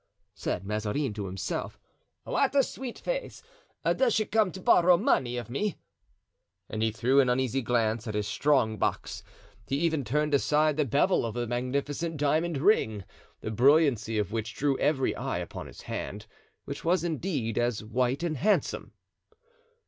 said Mazarin to himself, "what a sweet face; does she come to borrow money of me?" And he threw an uneasy glance at his strong box; he even turned inside the bevel of the magnificent diamond ring, the brilliancy of which drew every eye upon his hand, which indeed was white and handsome.